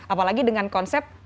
apalagi dengan konsentrasi